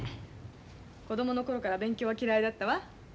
子供の頃から勉強は嫌いだったわ。